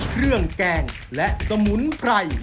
เครื่องแกงและสมุนไพร